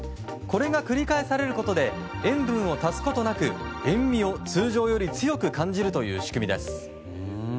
これが繰り返されることで塩分を足すことなく塩味を通常より強く感じるという仕組みです。